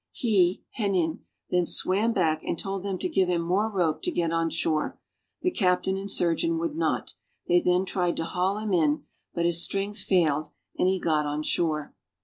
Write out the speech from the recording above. He (Henin) then swam back, and told them to give him more rope to get on shore. The captain and surgeon would not. They then tried to haul him in, but his strength failed and he got on shore.